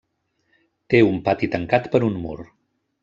Té un pati tancat per un mur.